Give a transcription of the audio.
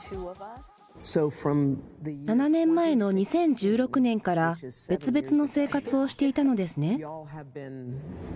７年前の２０１６年から、別々の生活をしていたのですね。